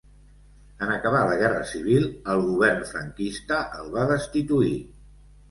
En acabar la guerra civil el govern franquista el va destituir.